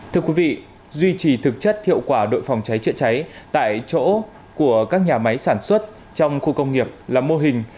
thưa quý vị duy trì thực chất hiệu quả đội phòng cháy chữa cháy tại chỗ của các nhà máy sản xuất trong khu công nghiệp là mô hình